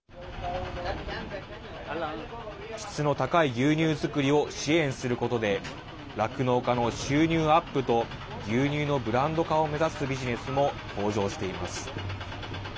質の高い牛乳作りを支援することで酪農家の収入アップと牛乳のブランド化を目指すビジネスも登場しています。